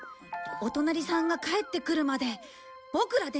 お隣さんが帰ってくるまでボクらで見守ろう。